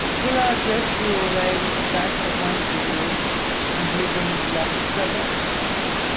"Will our death do away with the fact that once we lived and, living, loved each other?